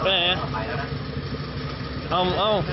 ไปไหนเนี่ย